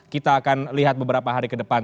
kita akan lihat beberapa hari ke depan